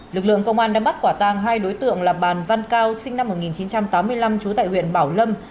lực lượng công an đã bắt quả tang hai đối tượng là bàn văn cao sinh năm một nghìn chín trăm tám mươi năm trú tại huyện bảo lâm